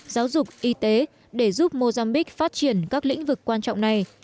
giáo dục y tế để giúp mozambiqu phát triển các lĩnh vực quan trọng này